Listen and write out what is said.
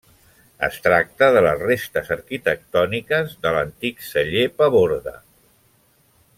Es tracta de les restes arquitectòniques de l'antic Celler Paborde.